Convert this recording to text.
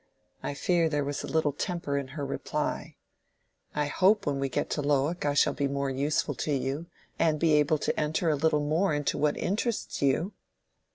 I fear there was a little temper in her reply. "I hope when we get to Lowick, I shall be more useful to you, and be able to enter a little more into what interests you."